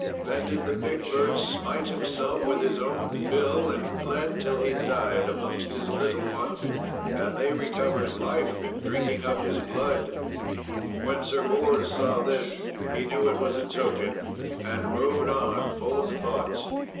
Then did the big bird smite himself with his own bill, and bled till he died amongst his little ones, and they recovered life in drinking up his blood. When Sir Bors saw this he knew it was a token, and rode on full of thought.